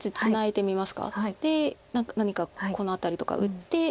で何かこの辺りとか打って。